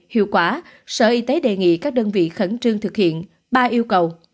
hiệu quả sở y tế đề nghị các đơn vị khẩn trương thực hiện ba yêu cầu